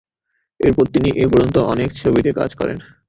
এরপর তিনি এ পর্যন্ত অনেক ছবিতে কাজ করেন।